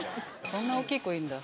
そんな大きい子いるんだ。